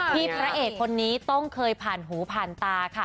พระเอกคนนี้ต้องเคยผ่านหูผ่านตาค่ะ